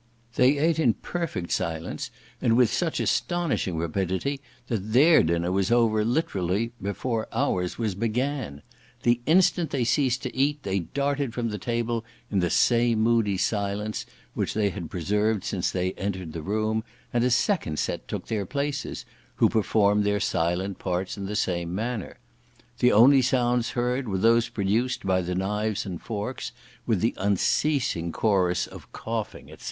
They ate in perfect silence, and with such astonishing rapidity that their dinner was over literally before our's was began; the instant they ceased to eat, they darted from the table in the same moody silence which they had preserved since they entered the room, and a second set took their places, who performed their silent parts in the same manner. The only sounds heard were those produced by the knives and forks, with the unceasing chorus of coughing, &c.